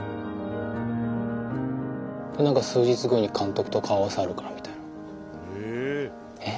何か数日後に監督と顔合わせあるからみたいなえっ？